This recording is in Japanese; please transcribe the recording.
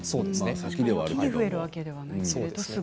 一気に増えるわけではないけれど。